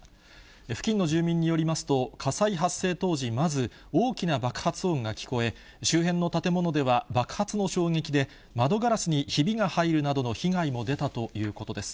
付近の住民によりますと、火災発生当時、まず大きな爆発音が聞こえ、周辺の建物では爆発の衝撃で、窓ガラスにひびが入るなどの被害も出たということです。